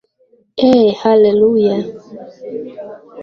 Eeeh hallelujah